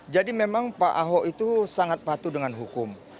jadi memang pak ahok itu sangat patuh dengan hukum